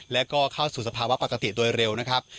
แล้วก็เข้าสู่สภาวะปกติโดยเร็วนะครับ